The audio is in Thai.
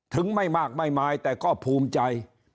ไม่มากไม่มายแต่ก็ภูมิใจ